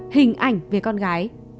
hình ảnh về con gái